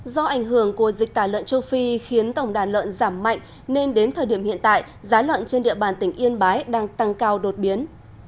do ảnh hưởng của dịch tả lợn châu phi khiến tổng đàn lợn giảm mạnh nên đến thời điểm hiện tại giá lợn trên địa bàn tỉnh yên bái đang tăng cao đột biến